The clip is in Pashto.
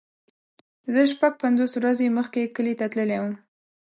زه شپږ پنځوس ورځې مخکې کلی ته تللی وم.